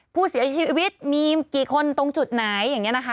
ผู้เสียชีวิตมีกี่คนตรงจุดไหนอย่างนี้นะคะ